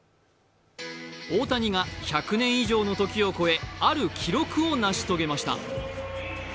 大谷が１００年以上の時を超えある記録を成し遂げました。